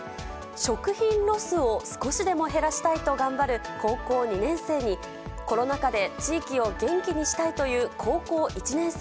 食品ロスを少しでも減らしたいと頑張る高校２年生に、コロナ禍で地域を元気にしたいという高校１年生。